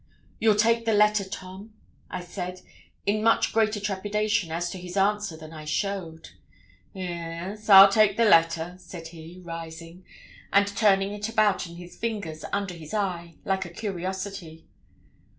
'You'll take the letter, Tom?' I said, in much greater trepidation as to his answer than I showed. 'E'es, I'll take the letter,' said he, rising, and turning it about in his fingers under his eye, like a curiosity.